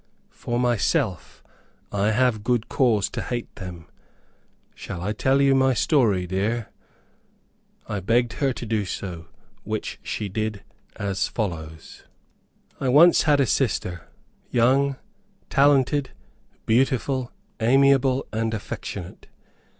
For myself I have good cause to hate them. Shall I tell you my story, dear?" I begged her to do so, which she did, as follows: "I once had a sister, young, talented, beautiful, amiable and affectionate.